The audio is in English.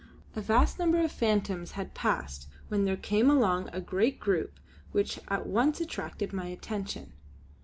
A vast number of the phantoms had passed when there came along a great group which at once attracted my attention.